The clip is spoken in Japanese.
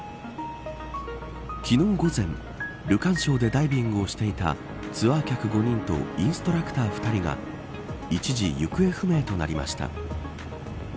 昨日午前ルカン礁でダイビングをしていたツアー客５人とインストラクター２人が一時、行方不明となりました。